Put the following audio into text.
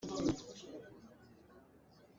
Kan i chok menmen.